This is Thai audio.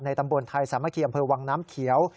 ในตำบลไทยสามัคเมืองเวิร์ดวงน้ำเขียว